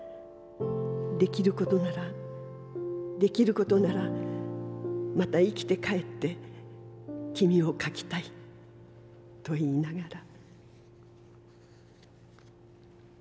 出来ることなら出来ることならまた生きて還ってキミを描きたいといいながら」。